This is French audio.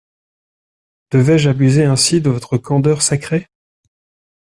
Devais-je abuser ainsi de votre candeur sacrée.